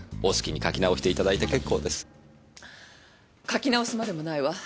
書き直すまでもないわ。